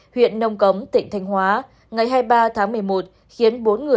huyện nông cấm tỉnh thanh hóa ngày hai mươi ba tháng một mươi một